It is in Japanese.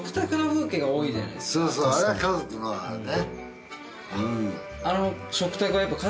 そうそうあれは家族のあれね